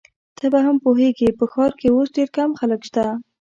ته به هم پوهیږې، په ښار کي اوس ډېر کم خلک شته.